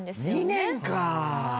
２年か。